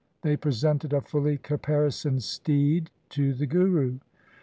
They presented a fully caparisoned steed to the Guru.